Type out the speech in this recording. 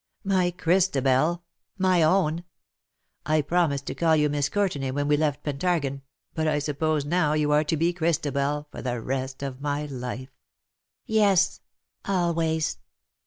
My Christabel, my own ! I promised to call you Miss Courtenay when we left Pentargon, but I suppose now you are to be Christabel for the rest of my life !"" Yes, always."